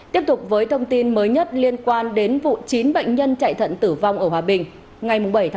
tiếp tục với thông tin mới nhất liên quan đến vụ chín bệnh nhân chạy thận tử vong ở hòa bình